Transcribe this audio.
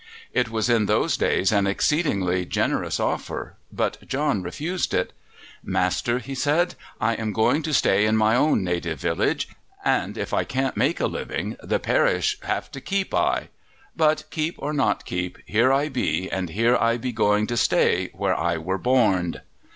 It was in those days an exceedingly generous offer, but John refused it. "Master," he said, "I be going to stay in my own native village, and if I can't make a living the parish'll have to keep I; but keep or not keep, here I be and here I be going to stay, where I were borned."